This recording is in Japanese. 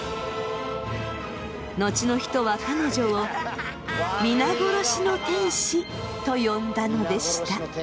後の人は彼女を皆殺しの天使と呼んだのでした。